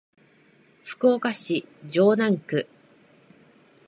福岡市城南区